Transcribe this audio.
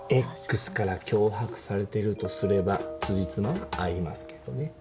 Ｘから脅迫されてるとすればつじつまは合いますけどね。